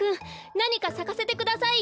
なにかさかせてくださいよ。